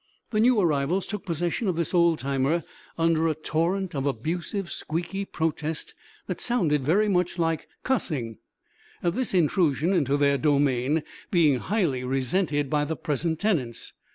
The new arrivals took possession of this old timer under a torrent of abusive, squeaky protest that sounded very much like "cussing," this intrusion into their domain being highly resented by the present tenants.